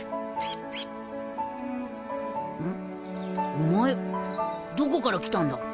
お前どこから来たんだ？